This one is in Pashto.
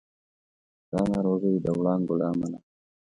دا ناروغي د وړانګو له امله وه.